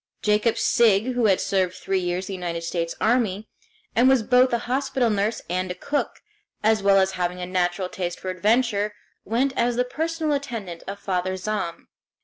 Jacob Sigg, who had served three years in the United States Army, and was both a hospital nurse and a cook, as well as having a natural taste for adventure, went as the personal attendant of Father Zahm.